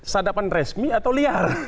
sadapan resmi atau liar